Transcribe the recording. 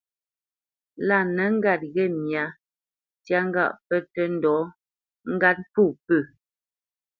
Lâ nə ŋgât ghê myǎ ntyá ŋgâʼ pə́ tə́ ndɔ̌ ŋgât mfó pə.